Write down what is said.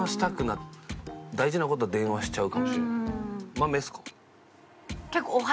マメですか？